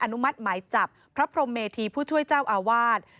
นุมัติหมายจับพระพรมเมธีผู้ช่วยเจ้าอาวาส